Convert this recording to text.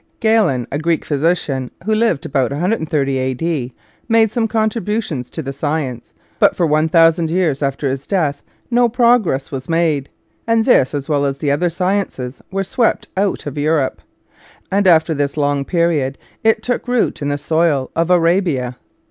Galen, a Greek physician, who lived about 130 a.d., made some contributions to the science, but for 1,000 years after his death no progress was made, and this as well as the other sciences were swept out of Europe ; and after this long period it took root in the soil of Arabia.